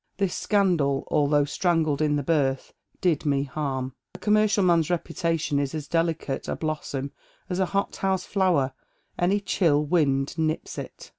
This scandal, although strangled in the birth, did me hann. A commercial man's reputation is as delicate a blossom as a hothouse flower, any chill wind nips it.